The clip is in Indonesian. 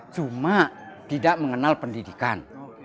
cuma tidak mengenal pendidikan